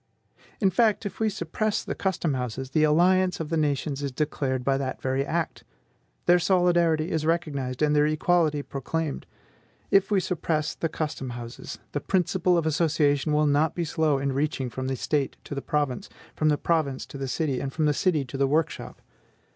In fact, if we suppress the custom houses, the alliance of the nations is declared by that very act; their solidarity is recognized, and their equality proclaimed. If we suppress the custom houses, the principle of association will not be slow in reaching from the State to the province, from the province to the city, and from the city to the workshop.